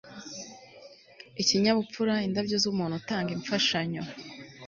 Ikinyabupfura indabyo zumuntu utanga imfashanyo